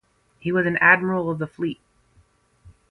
He was an Admiral of the Fleet.